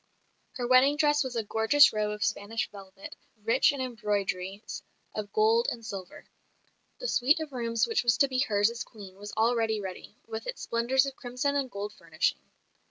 Her wedding dress was a gorgeous robe of Spanish velvet, rich in embroideries of gold and silver; the suite of rooms which was to be hers as Queen was already ready, with its splendours of crimson and gold furnishing.